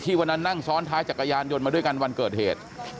วันนั้นนั่งซ้อนท้ายจักรยานยนต์มาด้วยกันวันเกิดเหตุ